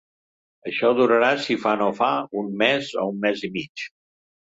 Això durarà si fa no fa un mes o un mes i mig.